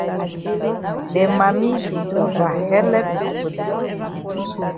De mami di ova helep pipo dem.